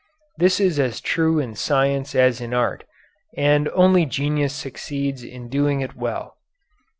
This is as true in science as in art, and only genius succeeds in doing it well.